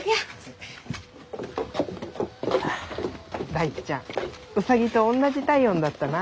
大ちゃんウサギとおんなじ体温だったな。